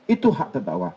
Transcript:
itu hak terdakwa